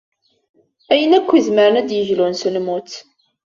Ayen akk izemren ad d-yeglun s lmut.